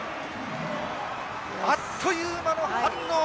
あっという間の反応。